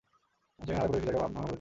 সেখানে আড়াই ফুটের বেশি জায়গা ভাঙা পড়েছে।